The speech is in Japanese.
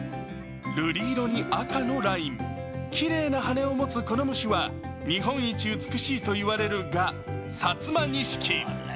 瑠璃色に赤のライン、きれいな羽を持つこの虫は日本一美しいといわれるガ、サツマニシキ。